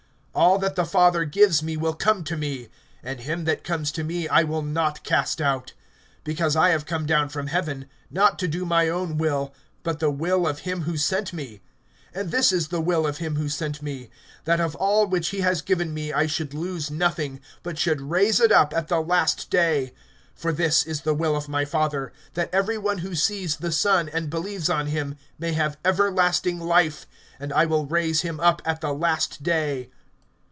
(37)All that the Father gives me will come to me; and him that comes to me I will not cast out. (38)Because I have come down from heaven, not to do my own will, but the will of him who sent me. (39)And this is the will of him who sent me, that of all which he has given me I should lose nothing, but should raise it up at the last day. (40)For this is the will of my Father, that every one who sees the Son, and believes on him, may have everlasting life; and I will raise him up at the last day.